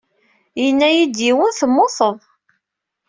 Yenna-iyi-d yiwen temmuted.